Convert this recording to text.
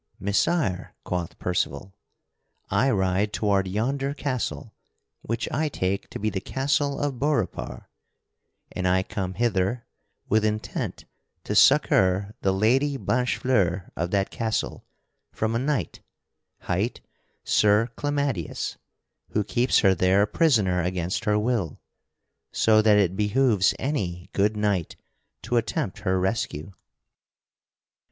"Messire," quoth Percival, "I ride toward yonder castle, which I take to be the castle of Beaurepaire, and I come hither with intent to succor the Lady Blanchefleur of that castle from a knight, hight Sir Clamadius, who keeps her there a prisoner against her will, so that it behooves any good knight to attempt her rescue."